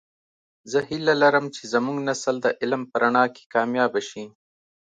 زه هیله لرم چې زمونږنسل د علم په رڼا کې کامیابه شي